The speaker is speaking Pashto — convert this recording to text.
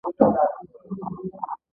په دې وضعیت کې ټول توافق کوي.